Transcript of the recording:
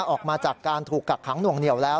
ออกมาจากการถูกกักขังหน่วงเหนียวแล้ว